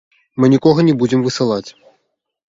Мы нікога не будзем высылаць.